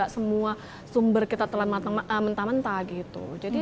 semua sumber kita telah mentah mentah gitu